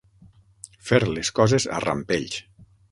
Fer les coses a rampells.